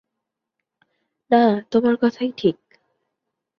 না, তোমার কথাই ঠিক।